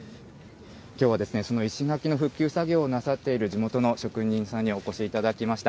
きょうはその石垣の復旧作業をなさっている地元の職人さんにお越しいただきました。